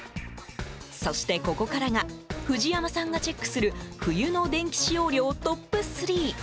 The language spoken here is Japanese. そして、ここからが藤山さんがチェックする冬の電気使用量トップ３。